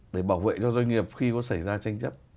để bảo vệ cho doanh nghiệp khi có xảy ra tranh chấp